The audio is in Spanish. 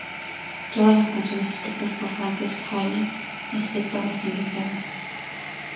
Todas las canciones escritas por Francis Healy, excepto las indicadas.